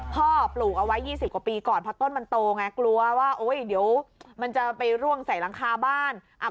พ่อปลูกเอาไว้๒๐กว่าปีก่อน